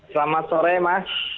selamat sore mas